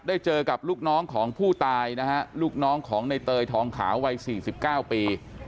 เจอกับลูกน้องของผู้ตายนะฮะลูกน้องของในเตยทองขาววัย๔๙ปี